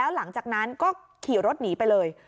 หลังจากนั้นก็ขี่รถหนีไปเลย